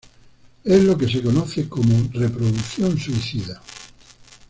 Es lo que se conoce como reproducción suicida.